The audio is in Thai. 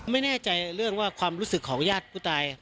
ไม่แน่ใจเรื่องว่าความรู้สึกของญาติผู้ตาย